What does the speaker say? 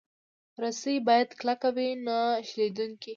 رسۍ باید کلکه وي، نه شلېدونکې.